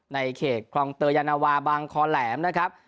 ในเขตคลองเตยยานาวาบางคอแหลมนะครับ